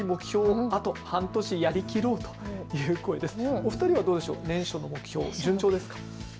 お二人はどうでしょう、年初の目標、順調ですか。